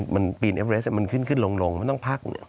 มันปีนเอฟเรสมันขึ้นขึ้นลงมันต้องพัก